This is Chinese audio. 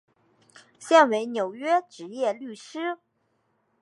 现为纽约执业律师。